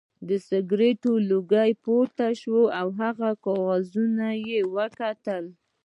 د سګرټ لوګی پورته شو او هغه کاغذونه وکتل